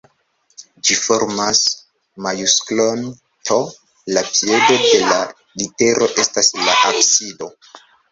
Ĝi formas majusklon T, la piedo de la litero estas la absido.